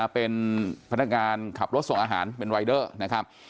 เป็นพนักงานขับรถส่งอาหารเป็นรายเดอร์นะครับ